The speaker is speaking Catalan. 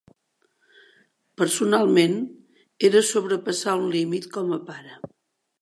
Personalment, era sobrepassar un límit com a pare.